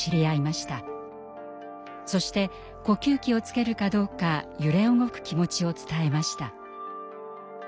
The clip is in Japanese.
そして呼吸器をつけるかどうか揺れ動く気持ちを伝えました。